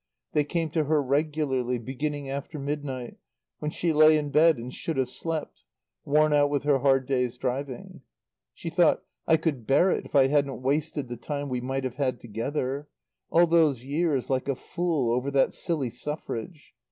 They came to her regularly, beginning after midnight, when she lay in bed and should have slept, worn out with her hard day's driving. She thought: "I could bear it if I hadn't wasted the time we might have had together. All those years like a fool over that silly suffrage.